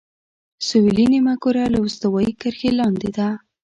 سویلي نیمهکره له استوایي کرښې لاندې ده.